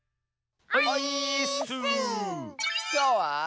きょうは。